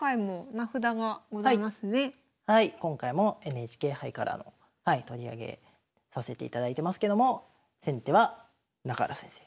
今回もＮＨＫ杯からの取り上げさせていただいてますけども先手は中原先生。